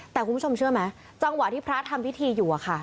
แต่คุณผู้ชมเชื่อไหมจังหวะที่พระทำพิธีอยู่อะค่ะ